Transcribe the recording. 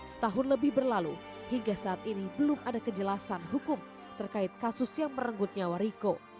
setahun lebih berlalu hingga saat ini belum ada kejelasan hukum terkait kasus yang merenggut nyawa riko